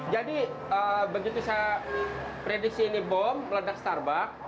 jadi begitu saya prediksi ini bom meledak starbucks